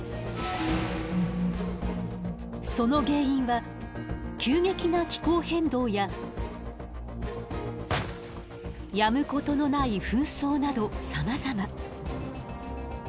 その原因は急激な気候変動ややむことのない紛争などさまざま。